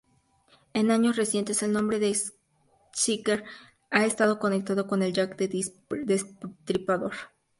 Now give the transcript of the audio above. En años recientes, el nombre de Sickert ha estado conectado con Jack el Destripador.